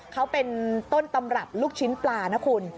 เขาเป็นต้นตำรับลูกชิ้นปลานะคุณ